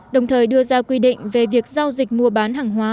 đồng thời đưa ra quy định về việc giao dịch mua bán hàng hóa